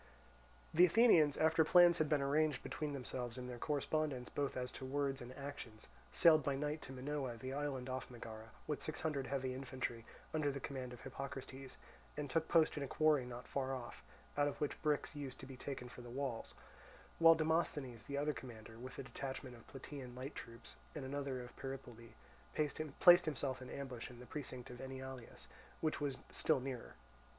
The Athenians, after plans had been arranged between themselves and their correspondents both as to words and actions, sailed by night to Minoa, the island off Megara, with six hundred heavy infantry under the command of Hippocrates, and took post in a quarry not far off, out of which bricks used to be taken for the walls; while Demosthenes, the other commander, with a detachment of Plataean light troops and another of Peripoli, placed himself in ambush in the precinct of Enyalius, which was still nearer.